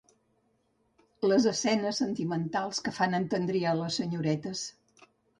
Les escenes sentimentals que fan entendrir a les senyoretes